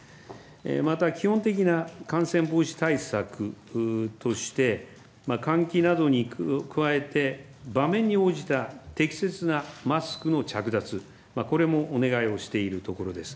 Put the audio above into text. また基本的な感染防止対策として、換気などに加えて、場面に応じた適切なマスクの着脱、これもお願いをしているところです。